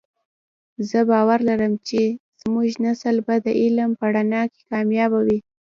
زه باور لرم چې زمونږ نسل به د علم په رڼا کې کامیابه وی